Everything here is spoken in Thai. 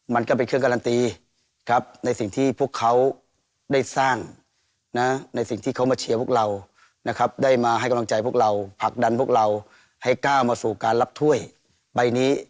มันก็เป็นเครื่องการันตีครับในสิ่งที่พวกเขาได้สร้างนะในสิ่งที่เขามาเชียร์พวกเรานะครับได้มาให้กำลังใจพวกเราผลักดันพวกเราให้ก้าวมาสู่การรับถ้วยใบนี้